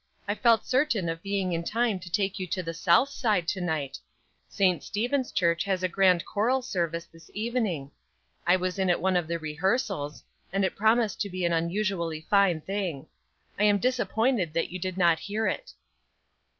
I felt certain of being in time to take you to the South Side to night. St. Stephen's Church has a grand choral service this evening. I was in at one of the rehearsals, and it promised to be an unusually fine thing. I am disappointed that you did not hear it."